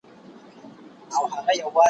چي يې درې مياشتي د قدرت پر تخت تېرېږي